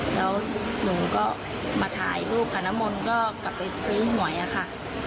แล้วหนูก็มาถ่ายรูปกับน้ำมนต์ก็กลับไปซื้อหวยอะค่ะ